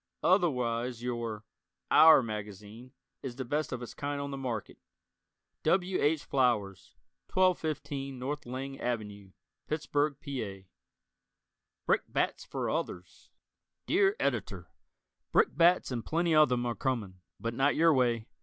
Otherwise your "our" magazine is the best of its kind on the market W. H. Flowers. 1215 N. Lang Ave., Pittsburgh, Pa. Brickbats for Others Dear Editor: Brickbats and plenty of them are coming, but not your way.